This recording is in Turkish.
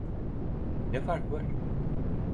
Ne fark var?